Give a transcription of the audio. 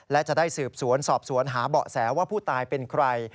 และจะได้สืบสวนสอบสวนหาเบาะแสว่าผู้ตายเป็นใคร